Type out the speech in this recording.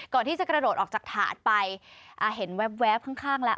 ก่อนที่จะกระโดดออกจากถาดไปอ่าเห็นแวบข้างข้างแล้ว